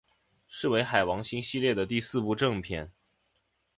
是为海王星系列的第四部正篇。